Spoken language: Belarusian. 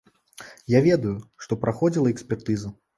Я ведаю, што праходзіла экспертыза.